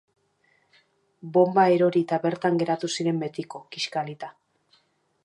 Bonba erori eta bertan geratu ziren betiko, kiskalita.